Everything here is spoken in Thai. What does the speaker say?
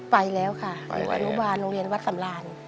ไปแล้วค่ะอนุบาลโรงเรียนวัดสำราน